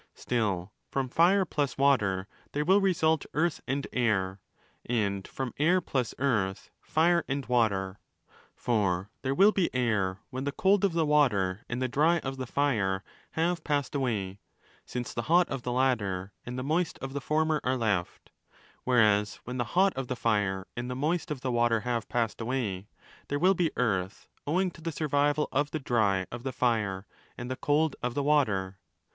Still, from Fire plus Water there will result Earth and? Air, and from Air p/vs Earth Tire and' Water. For there will be Air, when the cold of the Water and the dry of the Fire have passed away (since the hot of the latter and the moist of the former are left): whereas, when the hot of the Fire and the moist of the Water have passed away, there will be Earth, owing to the survival of the dry of the Fire and the cold of the Water.